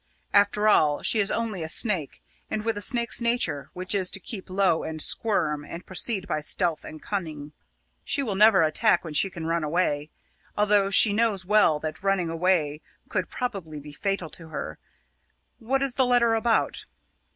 After all, she is only a snake and with a snake's nature, which is to keep low and squirm, and proceed by stealth and cunning. She will never attack when she can run away, although she knows well that running away would probably be fatal to her. What is the letter about?"